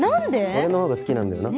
俺のほうが好きなんだよな